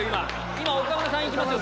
今岡村さん行きますよ